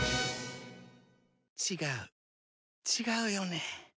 違う違うよね。